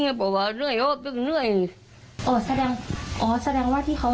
แต่ว่าเขามาคนเดียวใช่ไหมเมื่อนั้น